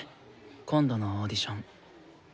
今度のオーディション。